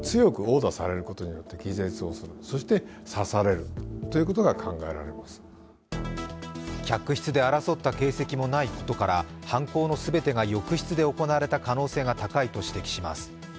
防御創がないことについて専門家は客室で争った形跡もないことから犯行の全てが浴室で行われた可能性が高いと指摘します。